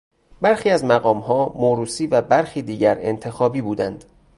برخی از مقامها موروثی و برخی دیگر انتخابی بودند.